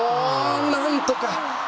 なんとか。